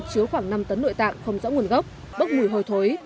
chứa khoảng năm tấn nội tạng không rõ nguồn gốc bốc mùi hôi thối